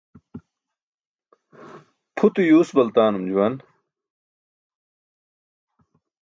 Pʰute yuus baltaanun juwan.